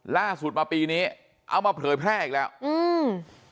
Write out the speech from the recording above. ล่าสุดมาปีนี้เอามาเผยแพร่อีกแล้วอืม